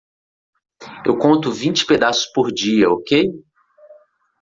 Eu conto vinte pedaços por dia, ok?